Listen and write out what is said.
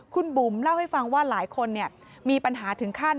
คุณบุ๋มเล่าให้ฟังว่าหลายคนมีปัญหาถึงขั้น